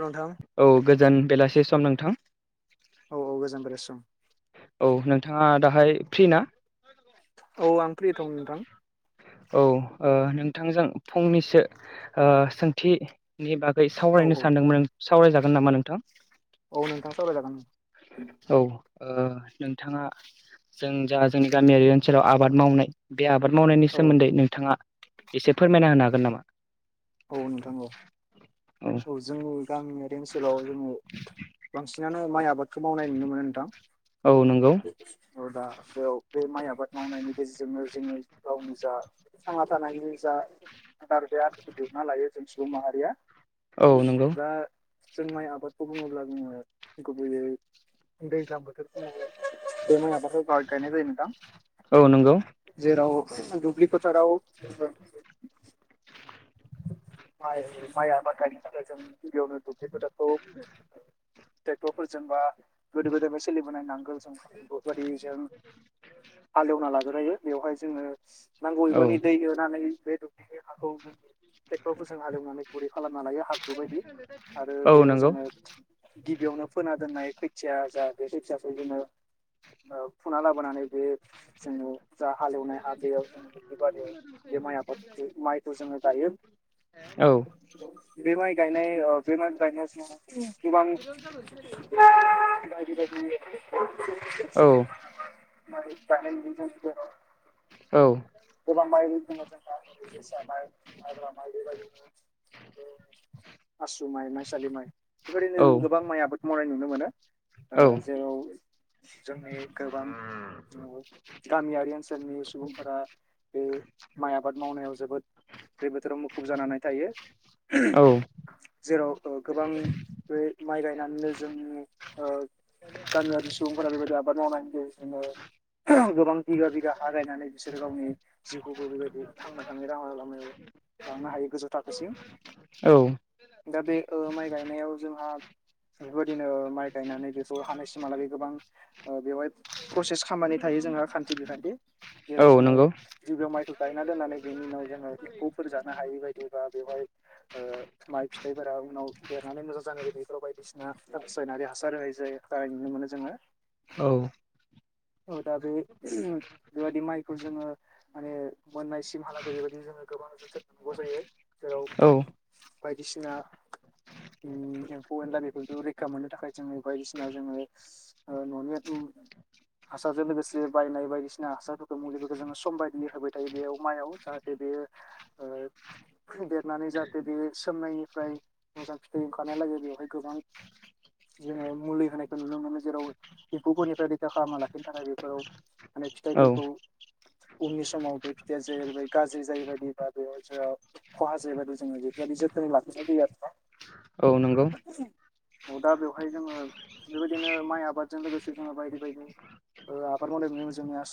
नोंथां औ गोजान बेलासि सम नोंथां औ औ गोजोन बेलासि सम औ नोंथाङा दाहाय फ्रि ना औ आं फ्रि दं नोंथां औ नों नोंथांजों फंनैसो सोंथिनि बागै औ सावरायनो औ सानदोंमोन सावरायजागोन नामा नोंथां औ नोंथा सावरायजागोन औ नोंथाङा जों जा जोंनि गामियारि ओनसोलाव आबाद मावनाय बे आबाद मावनायनि औ सोमोन्दै नोंथाङा एसे फोरमायना होनो हागोन नामा? औ नोंथा औ जों गामियाव बे ओनसोलाव जोङो बांसिनानो माइ आबादखौ मावनाय नुनो मोनो नोंथां औ नंगौ अ दा याव बे माइ आबाद मावनायनि गेजेरजोंनो जोङो गावनि जा थांना थानायनि जा आरो बे आदबखौ दिहुनना लायो जों सुबुं माहारिया औ नंगौ दा जों माइ आबादखौ बुङोब्ला जोङो गुबैयै दैज्लां बोथोरखौल बे माइ आबाद [unintelligible] जायो नोंथां औ नंगौ दुुब्लि फोथाराव माइ - माइ आबाद गायनो जों गिबियावनो दुब्लि फोथारखौ ट्रेक्टरफोरजों बा गोदो गोदायफ्राय सोलिबोनाय नांगोल जंगाल बेफोरबायदि जों हालेवना लाग्रो [unintelligible] बेवहाय जोङो नांगौ औ एबानि दै होनानै बे दुब्लिनि हाखौ जों ट्रेक्टरफोरजों हालेवनानै गुरै खालामना लायो हाब्रु बायदि आरो औ बेयाव नंगौ जोङो गिबियावनो फोना दोननाय खैथिया जा बे खैथियाखौ जोङो फुना लाबोनानै बे जों जा हालेवनाय हा बेयाव जों बे दुब्लिबारियाव बे माइ आबादखौ माइखौ जोङो गायो औ बे माइ गायनाय बे माइ गायनाय समाव गोबां बायदि- बायदि [inaudible] औ [unintelligible] गोबां माइ [unintelligible] जोसा माइ माइब्रा माइ बेबायदिनो आसु माइ माइसालि माइ बेबायदिनो गोबां माइ आबाद मावनाय नुनो मोनो औ जेराव जोंनि गोबां गामियारि ओनसोल ओनसोलनि सुबुंफोरा बे माइ आबाद मावनायाव जोबोद बे बोथोराव मुखुब जानानै थायो औ जेराव गोबां बे माइ गायनानैनो जों गामियारि सुबुंफोरा बेबायदि आबाद मावनायनि जोङो गोबां बिगा बिगा गायनानै बिसोरो गावनि जिउखौबो बेबायदि थांना थायलामा लामायाव लांनो हायो गोजौ थाखोसिम दा बे माइ गायनायाव जोंहा बेबायदिनो माइ गायनानै बेखौ हानाय मालाब बे गोबां बेवहाय प्रसेस खालामामनानै थायो जोंहा खान्थि बिखान्थि जेराव औ जोङो नंगौ जिबिायाव माइखौ गायना दोननानै बेनि उनाव जोङो एम्फौफोर जानो हायि बायदिबा औ ओ माइ फिथाइफोरा उनाव देरनानै मोजां जानाय गदैफोराव बायदिसिना रासायनारि हासार होनाय जायो नुनो मोनो जोङो। औ औ दा बे बेबायदि माइखौ जोङो माने मोननायसिमहालागै बेबायदिनो जोङो गोबां जोथोन लानांगौ जायो जेराव औ बायदिसिना एम्फौ एनला दामखौ रैखा मोननो थाखाय जोङो बायदिसिना जोङो न'नि हासारजों लोगोसे बायनाय बायदिसिना हासारफोरखौ मुलिफोरखौ जोङो सम बायदिनो होबाय थायो बेयाव माइयाव जाहाथे बेयो ओ [inaudible] देरनानै जाहाथे बे सोमनायनिफ्राय मोजां फिथाइ ओंखारनायलागै बेवहाय गोबां जोङो मुलि होनायखौ नुनो मोनो जेराव एम्फौफोरनिफ्राय रैखा खालामना लाखिनो थाखाय बेफोराव माने औ फिथाइफोरखौ उननि समाव बे फिथायाइया जाहैबाय गाज्रि जाहैबाय [unintelligible] औ नंगौ औ दा बेवहाय जोङो बेबायदिनो माइ आबादजों लोगोसे जोङो बायदि बायदि आबाद मावनाय जोंनि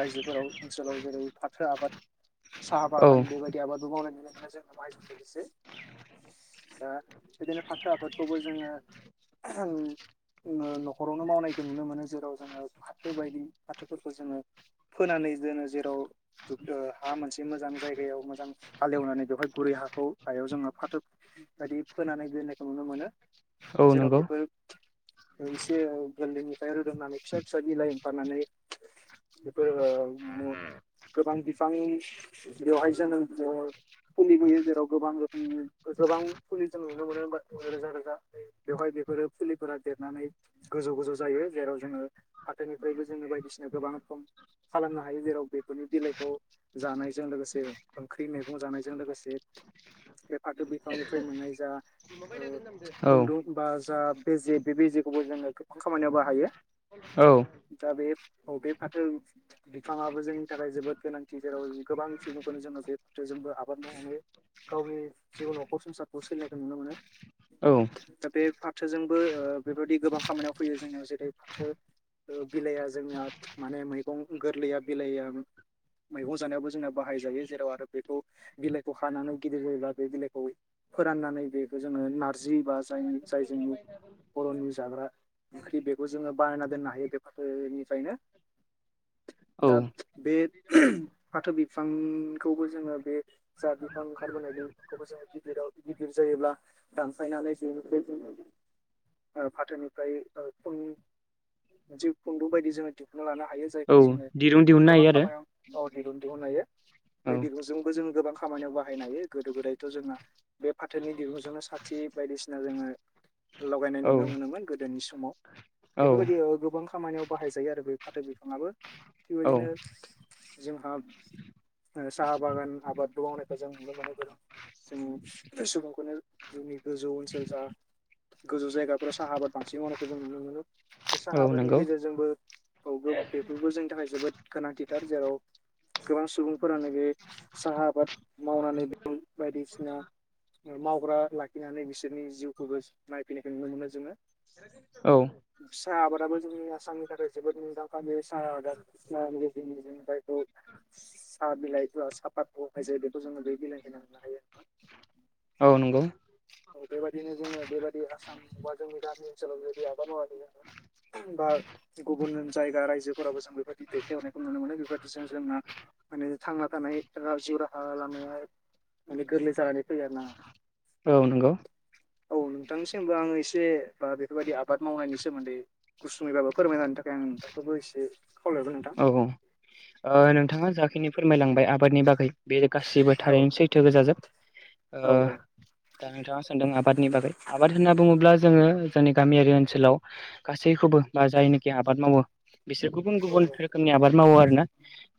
रायजोफोराव ओनसोलाव जेरै फाथो आबाद। साहा औ बागान बेबायदि आबाद बो माइ दा बिदिनो फाथो आफादखौबो जोङो न'खरावनो मावनायखौ नुनो मोनो जेराव जोङो फाथो बायदि फाथोफोरखौ जोङो फोनानै दो जेराव हा मोनसे मोजां जायगायाव मोजां हालेवनानै बेवहाय गुरै हाखौ हायाव जोङो फाथो बायदि फोनानै नायखौ नुनो मोनो औ जेराव नंगौ बेफोर एसे गोरलैनिफ्राय रोदोंनानै फिसा फिसा बिलाइ ओफानानै बेफोर गोबां बिफां बेवहाय जोनोम फुलि नुयो जेराव गोबां रोखोमनि गोबां फुलि जों नुनो मोनो रोजा रोजा बेवहाय बेफोरो फुलिफोरा देरनानै गोजौ गोजौ जायो जेराव जोङो फाथोनिफ्रायबो जोङो बायदिसिना गोबां खालामनो हायो जेराव बेफोरनि बिलाइखौ जानाय' जों लोगोसे ओंख्रि मैगं जानायजों लोगोसे बे फाथो बिफांनिफ्राय मोननाय जा औ खुन्दुं बा फा जा बेे बे बेेजेखौबो जोङो गोबां खामानियाव बाहायो। औ दा बे बे फाथो बिफाङाबो जोंनि थाखाय जोबोद गोनांथि जेराव गोबां सुबुंफोरनो जोङो बे फाथोजोंबो आबाद मावनानै गावनि जिउ नखरसंखौ संसारखौ सोलिनायखौ नुनो मोनो। औ दा बे फाथोजोंबो बेबायाददि गोबां खामानियाव फैयो जोंनियाव जेरै फाथो। बिलाइया जोंना माने मैगं गोरलैया बिलाइया मैगं जानायावबो जोङो बाहाय जायो जेराव आरो बेखौ बिलाइखौ हानानै गिदिर जायोब्ला बे बिलाइखौ फोराननानै बे जोङो नारजि बा जाय जायजों बर'नि जाग्रा ओंख्रि बेखौ जोङो बानायना दोननो हायो बे फाथोनिफ्रायनो औ दा बे फाथो बिफांखौबो जोङो बे जा बिफां ओंखारबोनाय बिफांखौबो जोङो गिदिराव गिदिर जायो। जेब्ला दानफायनानै बेनिफ्राय जोङो। आरो फाथोनिफ्राय ओ जि खुंदु बायदि जोङो दिहुनना लानो हायो जाय। औ जोङो दिरुं दिहुननो गोबां हायो आरो खामानियाव दिरुन दिहुननो हायो। बे दिरुंजोंबो जोंङो गोबां खामानियाव बाहायनो हायो गोदो गोदायथ' जोंना बे फाथोनि दिरुंजोंनो साथि बायदिसिना जोङो लगायनाय औ नुनो मोनोमोन गोदोनि समाव। औ बेफोरबायदि गोबां खामानियाव बाहाय जायो आरो बे फाथो बिफाङाबो। औ थिगबायदिनो जोंहा साहा बागान आबादबो मावनायखौ जों नुनो मोनो गोबां। जों सुबुंखौनो जोंनि गोजौ ओनसोल जा। गोजौ जायगाफोराव साहा आबाद बांसिन मावनायखौ जों नुनो मोनो बे साहा औ आबादनि नंगौ गेजेरजोंबो। औ बेबो जोंनि थाखाय जोबोद गोनांथिथार जेराव। गोबां सुबुंफोरानो बे साहा आबाद मावनानै दं बायदिसिना। मावग्रा लाखिनानै बिसोरनि जिउखौबो नायफैनायखौ नुनो मोनो जोङो। औ। साहा आबादाबो जोंनि आसामनि थाखाय जोबोद मुंदांखा बे साहा आबादानि गेजेरफ्राय [inaudible] साहा बिलाइ साहाफाद जायो बेखौ जोङो बे बिलाइखौ मोननो हायो। औ नंगौ। औ बेबायदिनो जोङो बेबायदि आसाम बा जोंनि गामि ओनसोलाव जुदि आबाद मावाखौ जोङो बा गुबुन जायगा रायजोफोराबो जों बेफोरबायदि दैथायहरनायखौ नुनो मोनो बेफोरबायदि जों जोंना माने थांना थानाय जिउ राहा लामाया माने गोरलै जानानै फैयो आरोना। औ नंगौ। औ नोंथांनिसिमबो आङो एसे बेफोरबायदि आबाद मावनायनि सोमोन्दै गुसुङैबाबो फोरमायानो थाखाय। आं नोंथांखौबो एसे खावलायबाय नोंथां। [inaudible] नोंथाङा जाखिनि फोरमायलांबाय आबादनि बागै बे गासिबो औ थारैनो सैथो गोजाजोब। औ नोंथां औ नोंथां औ नोंथां औ ओ दा नोंथाङा सानदों आबादनि बागै आबाद होनना बुङोब्ला। जोङो जोंनि गामियारि ओनसोलाव गासैखौबो बा जायनोखि आबाद मावो। बिसोर गुबुन गुबुन रोखोमनि आबाद मावो आरोना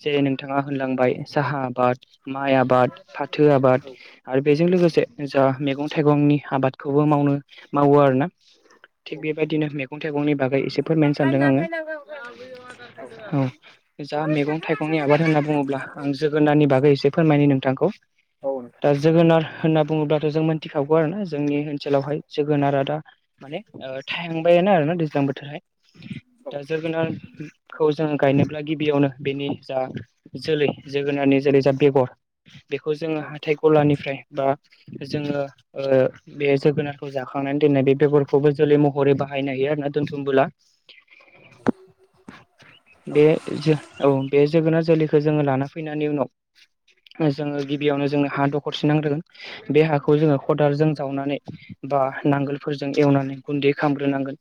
जेरै नोंथाङा होनलांबाय साहा आबाद माइ आबाद फाथो आबाद आरो बेजों लोगोसे जा मैगं थाइगंनि आबाद खौबो मावनो मावो आरोना। थिग बेबायदिनो मैगं थाइगंनि बागै एसे फोरमायनो सानदों आङो औ। जा मैगं थाइगंनि आबाद होनना बुङोब्ला आं जोगोनारनि बागै एसे फोरमायायो नोंथांखौ। दा जोगोनार होनना बुङोब्लाथ' जों मोनथिखागौ आरोना। जोंनि ओनसोलावहाय जोगोनार आदा माने थायहांबायानो आरोना दैज्लां बोथोरखाय। दा जोरोगोनारखौ जों गायनोब्ला गिबियावनो बेनि जा जोलै जोगोनारनि जोलै जा बेगर बेखौ जोङो हाथाइ गलानिफ्राय बा जोङो बे ओ जोगोनारखौ जाखांनानै दोननाय बेगरखौबो जोलै महरै बाहाय बाहायनो हायो आरो ना दोनथुमबोला। बे जो औ। बे जोगोनार जोलैखौ जोङो लाना फैनायनि उनाव। जोङो गिबियावनो जोंनो हा दखरसे नांग्रोगोन बे हाखौ जोङो खदालजों जावनानै बा नांगोलफोरजों एवनानै गुन्दै खामग्रोनांगोन।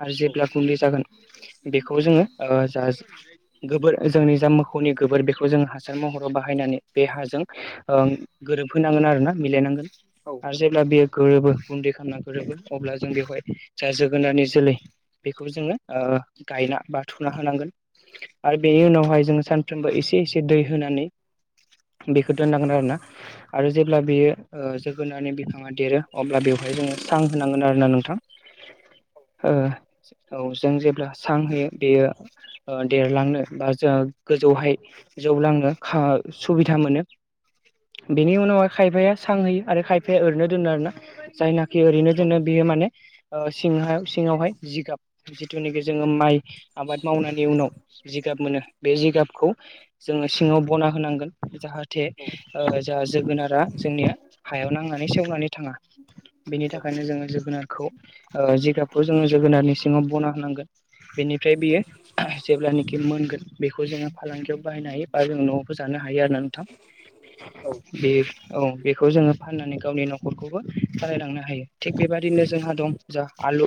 आरो जेब्ला गुन्दै जागोन बेखौ जोङो ओ जा गोबोर जोंनि जा मोखौनि गोबोर बेखौ जों हासार महर बाहायनानै बे हाजों गोरोबहांगोन आरोना मिलायनांगोन। आरो जेब्ला बियो गोरोबो गुन्दै खालामना गोरोबो अब्ला जों बेवहाय। जा जोगोनारनि जोलै बेखौबो जोङो ओ गायना बा थुना होनांगोन। आरो बेनि उनावहाय जोङो सानफ्रोमबो एसे एसे दै होनानै। बेखौ दोननांगोन आरोना आरो जेब्ला बियो ओ जोगोनानै बिफाङा देरो अब्ला बेव जोङो सां होनांगोन आरोना नोंथां ओ औ जों जेब्ला सां होयो बेयो देरलांनो बा जों गोजौवहाय जौ लांनो खा सुबिधा मोनो बेनि उनावहाय खायफाया सां होयो आरो खायफाया ओैनो दोनो आरोना जायना खि ओरैनो जोंनो बेयो माने ओ सिङ सिङावहाय जिगाब जिथुनाखि जोङो माइ आबाद मावनायनि उनाव जि बे जिगाबखौ जोङो सिङाव बना होनांगोन जाहाथे थे ओ जाहा जोगोनारा जोंनि हायाव नांनानै सेवनानै थाङा बेनि थाखायनो जोङो जोगोनारखौ ओ जिगाबखौ जोङो जोगोनारनि सिङाव बना होनांगोन। बेनिफ्राय बियो जेब्लानि मोनगोन बेखौ जोङो फालांगियाव बाहायनो हायो बा जों नआवबो जानो हायो आरो ना नोंथां। बे औ बेखौ जोङो फाननानै गावनि नखरखौबो सालायलांनो हायो। थिग बेबायदिनो जोंहा दं जा आलु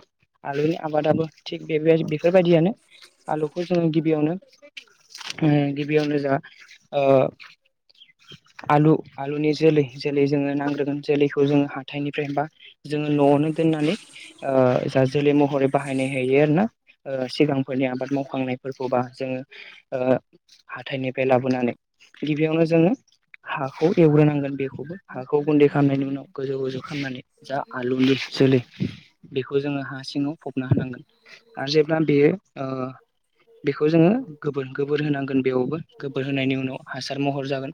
आलुनि आबादाबो थिग बे बेफोरबायदियानो आलुखौ जोंङो गि बियावनो ओ गिबियावनो जा ओ आलु-आलुनि जोलै जोलै जोंङो नांग्रोगोन जोलैखौ जोंङो हाथाइनिफ्राय बा जों जोंङो नआवनो दोननानै ओ जा जोलै महरै बाहायनाय हायो आरोना ओ सिगांफोरनि आ आबाद मावखांनाय फोरखौबा जोंङो ओ हाथायनिफ्राय लाबोनानै गिबियावनो जोंङो हाखौ एवग्रो नांगोन बेखौबो हाखौ गुन्दै खालामनायनि उनाव गोजौ गोजौ खामनानै जा आलुनि जोलै बे खौ जोंङो हा सिङाव फबना होनांगोन आरो जेब्ला बेयो ओ बेखौ जोंङो गोबोर-गोबोर होनांगोन बेयावबो गोबोर होनायनि उनाव हासार महर जागोन।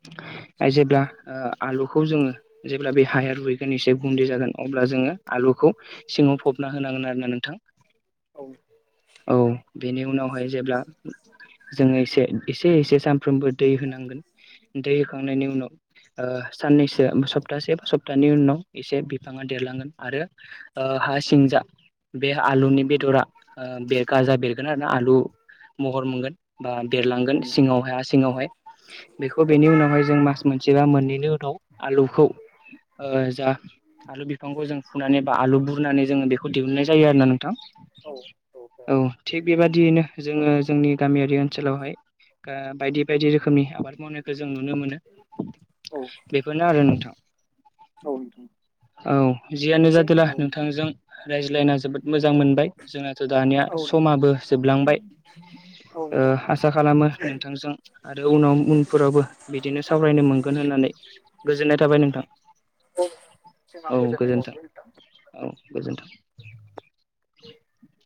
[inaudible] जेब्ला ओ आलुखौ जोंङो जेब्ला बे हाया रुइगोन एसे गुन्दै जागोन अब्ला जोंङो आलु खौ सिङाव फबना होनांगोन आरो ना नोंथां औ बेनि उनावहाय जेब्ला जोंङो एसे एसे एसे सानफ्रोमबो दै होनांगोन दै होखांनायनि उनाव ओ साननैसो सप्तासे सप्तानि उनाव एसे बिफाङा देरलांगोन आरो ओ हा सिंजा बे आलुनि बेदरा ओ बेरखां गोन आरो ना आलु महर मोनगोन बा औ देरलांगोन औ सिङावहाय हासिङावहाय बेखौ बेनि उनावहाय जों मास मोनसेबा मोननैनि उनाव आलुखौ ओ जा आलु बिफांखौ जों फुनानै बा आलु बुरनानै जोंङो बेखौ दिहुनन्नाय जायो आरोना नोंथां नोंथां औ थिग बेबादियैनो जोंङो जोंनि गामियारि ओनसोलावहाय बायदि बायदि रोखोमनि आबाद मावनायखौ जों नुनो मोनो। बेफोरनो आरो नोंथां औ नोंथां औ जियानो जादोला नोंथांजों रायज्लायना जोबोद मोजां मोनबाय जोंना दानिया समाबो जोबलांबाय ओ आसा खालामो नोंथांजों आरो उनाव-उनफोरावबो बिदिनो सावरायनो मोनगोन होननानै गोजोननाय थाबाय नोंथां जोंहा औ गोजोननाय गोजोन्थों बावहरबाय नोंथां औ गोजोन्थों [inaudible]